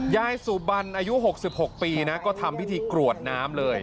ยายสุบันอายุ๖๖ปีนะก็ทำพิธีกรวดน้ำเลย